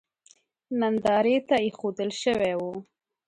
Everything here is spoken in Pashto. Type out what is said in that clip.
نندارې ته اېښودل شوی و.